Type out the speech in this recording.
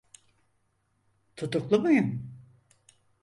Tutuklu muyum?